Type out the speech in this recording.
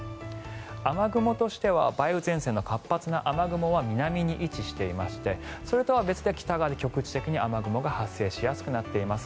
雨雲としては梅雨前線の活発な雨雲は南に位置していましてそれとは別に北側で局地的に雨雲が発生しやすくなっています。